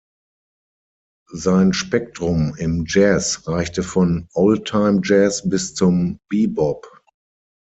Sein Spektrum im Jazz reichte von Oldtime Jazz bis zum Bebop.